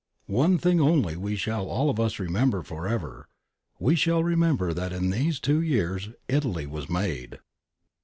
One thing only we shall all of us remember for ever : we shall remember that in these two years Italy was made.'